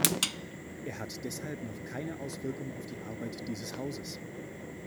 Er hat deshalb noch keine Auswirkung auf die Arbeit dieses Hauses.